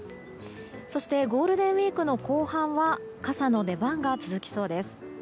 そしてゴールデンウィークの後半は傘の出番が続きそうです。